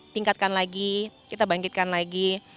tingkatkan lagi kita bangkitkan lagi